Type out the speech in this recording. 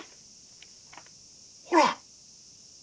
ほら！